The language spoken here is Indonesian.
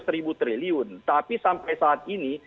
seribu triliun tapi sampai saat ini